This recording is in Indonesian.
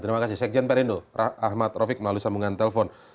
terima kasih sekjen perindu ahmad rofiq melalui sambungan telepon